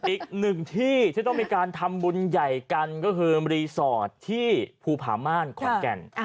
อีกหนึ่งที่ที่ต้องมีการทำบุญใหญ่กันก็คือรีสอร์ทที่ภูผาม่านขอนแก่น